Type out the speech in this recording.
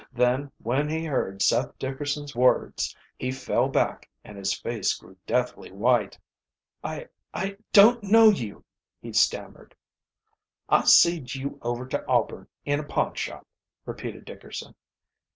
Then when he heard Seth Dickerson's words he fell back and his face grew deathly white. "I I don't know you," he stammered. "I seed you over to Auburn, in a pawnshop," repeated Dickerson.